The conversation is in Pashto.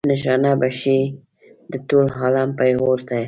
نشانه به شئ د ټول عالم پیغور ته.